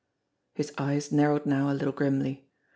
His eyes narrowed now a little grimly.